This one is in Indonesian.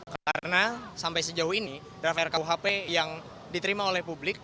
karena sampai sejauh ini draft rrkuhp yang diterima oleh publik